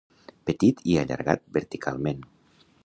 —petit i allargat verticalment